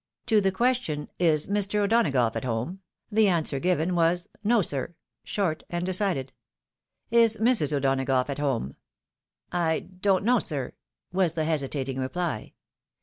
To the question, " Is Mr. O'Donagough at home ?" the answer given was, " No, sir," short and decided. " Is Mrs. O'Donagough at home? "" I don't know, sir," was the hesitating reply.